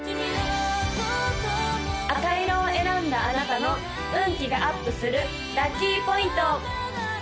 赤色を選んだあなたの運気がアップするラッキーポイント！